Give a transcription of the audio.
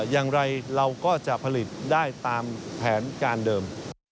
อย่างไรเราก็จะผลิตได้ตามแผนการเดิม